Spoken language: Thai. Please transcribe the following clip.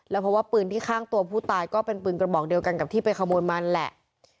เพราะว่าปืนที่ข้างตัวผู้ตายก็เป็นปืนกระบอกเดียวกันกับที่ไปขโมยมันแหละ